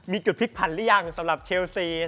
มีจุดพลิกผันหรือยังสำหรับเชลซี